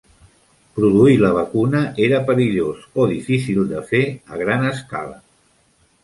Produir la vacuna era perillós o difícil de fer a gran escala.